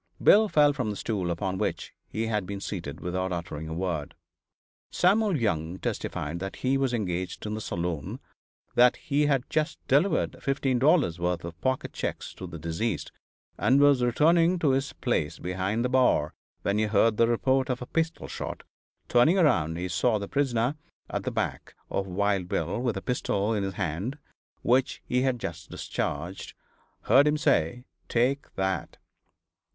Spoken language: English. Bill fell from the stool upon which he had been seated without uttering a word. Samuel Young testified that he was engaged in the saloon; that he had just delivered $15 worth of pocket checks to the deceased, and was returning to his place behind the bar when he heard the report of a pistol shot; turning around, he saw the prisoner at the back of Wild Bill with a pistol in his hand which he had just discharged; heard him say, "Take that!"